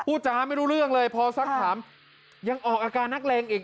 จ้าไม่รู้เรื่องเลยพอสักถามยังออกอาการนักเลงอีก